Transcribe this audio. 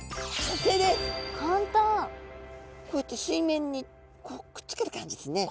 こうやって水面にくっつける感じですね。